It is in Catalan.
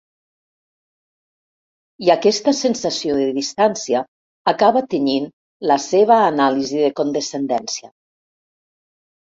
I aquesta sensació de distància acaba tenyint la seva anàlisi de condescendència.